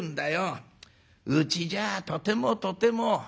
うちじゃあとてもとても。